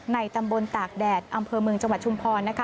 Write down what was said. ตำบลตากแดดอำเภอเมืองจังหวัดชุมพรนะคะ